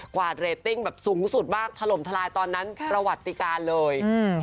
วาดเรตติ้งแบบสูงสุดมากถล่มทลายตอนนั้นประวัติการเลย